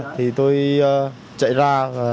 thì tôi chạy ra